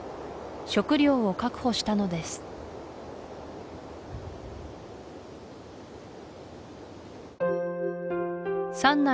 食料を確保したのです三内